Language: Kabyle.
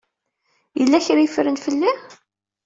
Yella kra ay ffren fell-i?